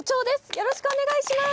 よろしくお願いします。